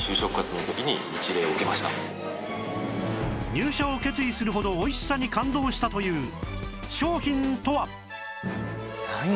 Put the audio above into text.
入社を決意するほど美味しさに感動したという商品とは？